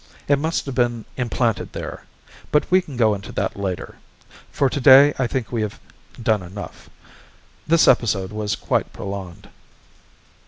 It must have been implanted there. But we can go into that later. For today I think we have done enough. This episode was quite prolonged."